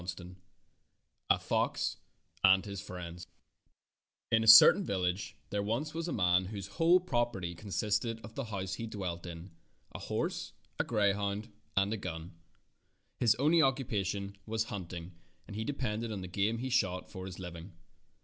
I A FOX AND HIS FRIENDS I N a certain village there was once a man whose whole property consisted of the house he dwelt in, a horse, a greyhound, and a gun. His only occupation was hunting, and he depended on the game he shot for his living.